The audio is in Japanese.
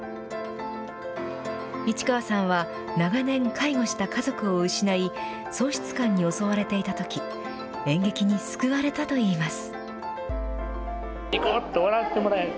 市川さんは長年介護した家族を失い、喪失感に襲われていたとき、演劇に救われたといいます。